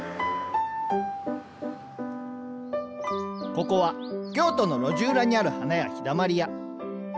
ここは京都の路地裏にある花屋「陽だまり屋」。